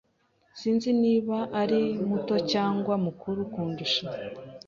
Sinzi niba ari muto cyangwa mukuru kundusha.